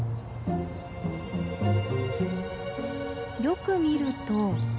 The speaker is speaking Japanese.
よく見ると。